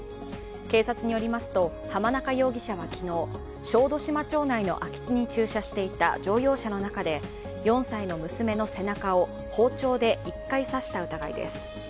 警察によりますと、濱中容疑者は昨日小豆島町内の空き地に駐車していた乗用車の中で４歳の娘の背中を包丁で１回刺した疑いです。